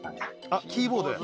「あっキーボードや」